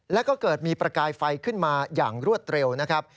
แล้วก็เกิดมีประกายไฟขึ้นมาอย่างรวดเร็วนะครับ